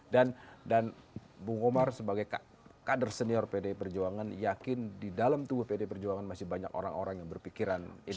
dan dan bu komar sebagai kader senior pdi perjuangan yakin di dalam tubuh pdi perjuangan masih banyak orang orang yang berpikiran idealis